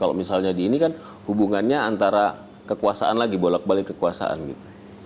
kalau misalnya di ini kan hubungannya antara kekuasaan lagi bolak balik kekuasaan gitu